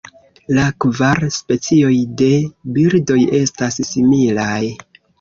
La kvar specioj de birdoj estas similaj.